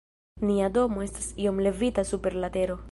Nia domo estas iom levita super la tero.